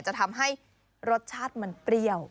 จะทำให้รสชาติมันเปรี้ยว